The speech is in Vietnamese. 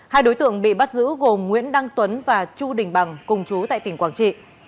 hai đối tượng bị bắt giữ gồm nguyễn đăng tuấn và chu đình bằng cùng chú tại tỉnh quảng trị